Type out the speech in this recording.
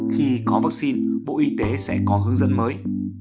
khi có vắc xin bộ y tế sẽ có hướng dẫn mới